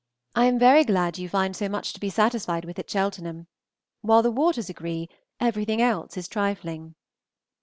I am very glad you find so much to be satisfied with at Cheltenham. While the waters agree, everything else is trifling.